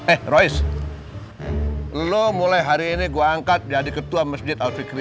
eh royce lo mulai hari ini gue angkat jadi ketua masjid al fikri